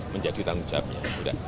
menjadi tanggung jawabnya